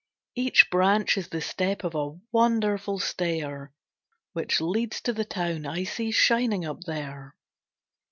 Each branch is the step of a wonderful stair Which leads to the town I see shining up there.